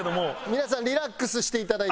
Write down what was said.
皆さんリラックスしていただいて。